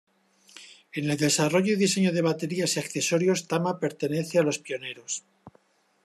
En el desarrollo y diseño de baterías y accesorios Tama pertenece a los pioneros.